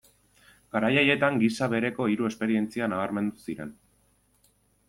Garai haietan gisa bereko hiru esperientzia nabarmendu ziren.